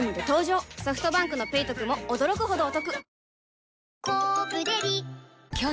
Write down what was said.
ソフトバンクの「ペイトク」も驚くほどおトク